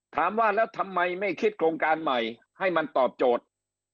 ถามว่าแล้วทำไมไม่คิดโครงการใหม่ให้มันตอบโจทย์